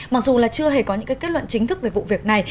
mặc dù là chưa hề có những kết luận chính thức về vụ việc này